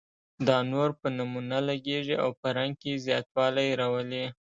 دا نور په نمونه لګیږي او په رنګ کې زیاتوالی راولي.